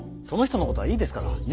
その人のことはいいですから。